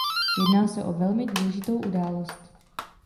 Jedná se o velmi důležitou událost.